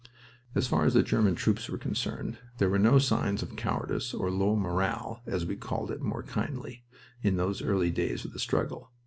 As far as the German troops were concerned, there were no signs of cowardice, or "low morale" as we called it more kindly, in those early days of the struggle.